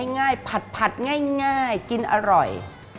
ง่ายผัดง่ายกินอร่อย